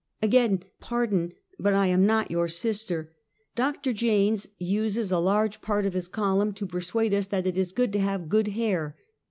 " Again pardon, but I am not your sister. Doctor Jaynes uses a large part of his column to persuade us that it is good to have good hair.